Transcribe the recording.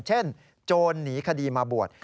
โจรหนีคดีมาบวช